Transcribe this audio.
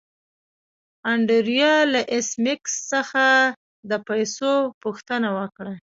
انډریو له ایس میکس څخه د پیسو پوښتنه وکړه